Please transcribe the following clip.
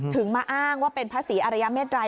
มาอ้างว่าเป็นพระศรีอรยาเมตรัย